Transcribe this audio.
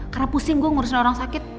karena pusing gue ngurusin orang lain aja ya